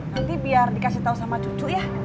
nanti biar dikasih tahu sama cucu ya